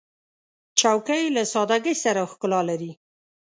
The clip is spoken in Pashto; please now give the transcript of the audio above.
چوکۍ له سادګۍ سره ښکلا لري.